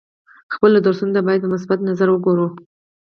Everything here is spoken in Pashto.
خپلو درسونو ته باید په مثبت نظر وګورو.